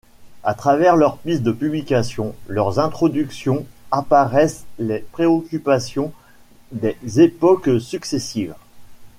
À travers leurs listes de publications, leurs introductions, apparaissent les préoccupations des époques successives.